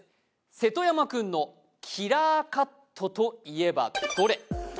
瀬戸山君のキラーカットといえばどれ？